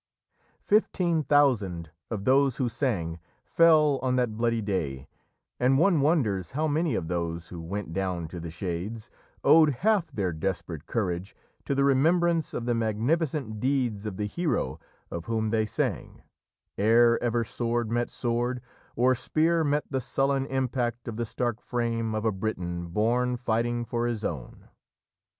Fifteen thousand of those who sang fell on that bloody day, and one wonders how many of those who went down to the Shades owed half their desperate courage to the remembrance of the magnificent deeds of the hero of whom they sang, ere ever sword met sword, or spear met the sullen impact of the stark frame of a Briton born, fighting for his own.